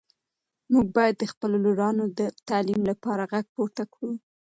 موږ باید د خپلو لورانو د تعلیم لپاره غږ پورته کړو.